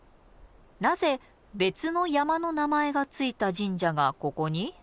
なぜ別の山の名前が付いた神社がここに？